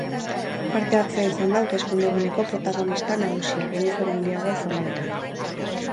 Parte-hartzea izan da hauteskunde-eguneko protagonista nagusia, inoiz baino handiagoa izan baita.